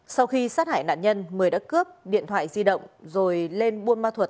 sau khi sát hại nạn nhân mười đã cướp điện thoại di động rồi lên buôn ma thuật